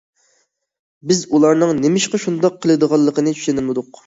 بىز ئۇلارنىڭ نېمىشقا شۇنداق قىلىدىغانلىقىنى چۈشىنەلمىدۇق.